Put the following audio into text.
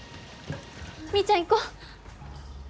みーちゃん行こ。